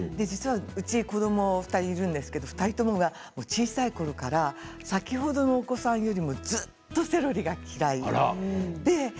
うちは子どもが２人いるんですが２人とも小さいころから先ほどのお子さんよりずっとセロリが嫌い。